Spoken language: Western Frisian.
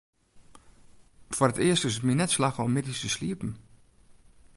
Foar it earst is it my net slagge om middeis te sliepen.